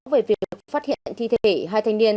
về việc phát hiện thi thể hai thanh niên